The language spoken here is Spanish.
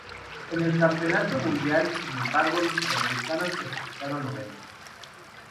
En el Campeonato Mundial, sin embargo, los sudamericanos clasificaron novenos.